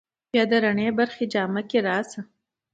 بیا د رڼې پرخې جامه کې راشه